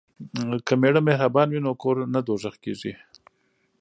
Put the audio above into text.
که میړه مهربان وي نو کور نه دوزخ کیږي.